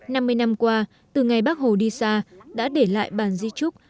năm mươi năm qua từ ngày bác hồ đi xa đã để lại bàn di trúc